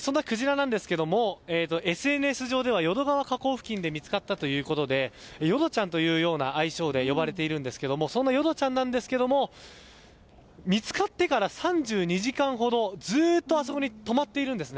そのクジラですが、ＳＮＳ上では淀川河口付近で見つかったということでヨドちゃんというような愛称で呼ばれているんですがそのヨドちゃんなんですが見つかってから３２時間ほどずっと、あそこに止まっているんですね。